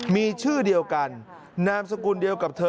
มีชื่อเดียวกันนามสกุลเดียวกับเธอ